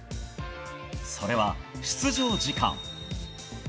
それは出場時間。